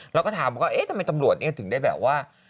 เราก็ถามว่าเอ๊ะทำไมตำรวจถึงได้แบบว่า